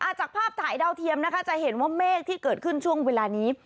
จากภาพถ่ายดาวเทียมนะคะจะเห็นว่าเมฆที่เกิดขึ้นช่วงเวลานี้